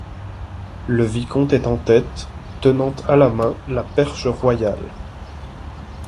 Le vicomte est en tête, « tenant à la main la perche royale ».